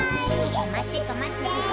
とまってとまって！